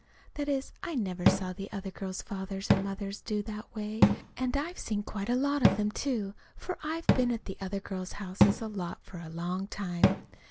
That is, I never saw the other girls' fathers and mothers do that way; and I've seen quite a lot of them, too, for I've been at the other girls' houses a lot for a long time.